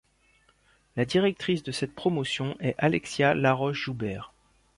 La directrice de cette promotion est Alexia Laroche-Joubert.